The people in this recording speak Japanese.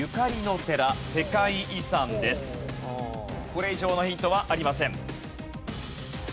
これ以上のヒントはありません。